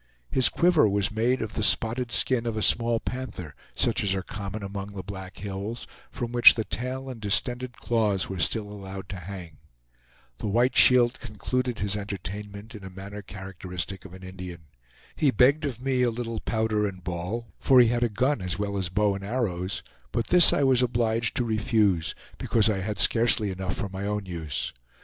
His quiver was made of the spotted skin of a small panther, such as are common among the Black Hills, from which the tail and distended claws were still allowed to hang. The White Shield concluded his entertainment in a manner characteristic of an Indian. He begged of me a little powder and ball, for he had a gun as well as bow and arrows; but this I was obliged to refuse, because I had scarcely enough for my own use.